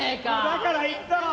だから言ったろ！